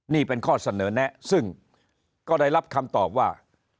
นี่เป็นข้อเสนอแนะซึ่งก็ได้รับคำตอบว่า